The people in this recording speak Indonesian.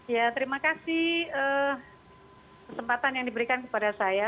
ya terima kasih kesempatan yang diberikan kepada saya